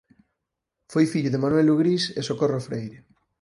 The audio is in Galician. Foi fillo de Manuel Lugrís e Socorro Freire.